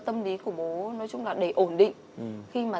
tôi quá muốn chia sẻ với chị